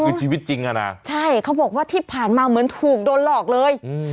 คือชีวิตจริงอ่ะนะใช่เขาบอกว่าที่ผ่านมาเหมือนถูกโดนหลอกเลยอืม